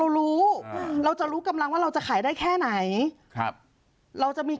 รู้อืมเราจะรู้กำลังว่าเราจะขายได้แค่ไหนครับเราจะมี